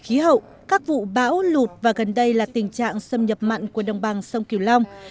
khí hậu các vụ bão lụt và gần đây là tình trạng xâm nhập mặn của đồng bằng sông kiều long